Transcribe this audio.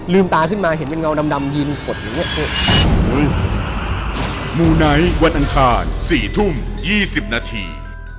ลืมตาขึ้นมาเห็นเป็นเงาดำยินกดอย่างนี้